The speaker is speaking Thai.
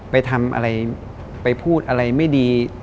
ไปทำอะไรไปพูดอะไรไม่ดี